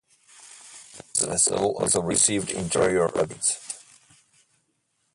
The vessel also received interior upgrades.